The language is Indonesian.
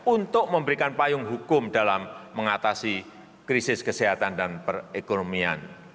untuk memberikan payung hukum dalam mengatasi krisis kesehatan dan perekonomian